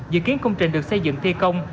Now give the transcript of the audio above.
dự kiến công trình được xây dựng thi công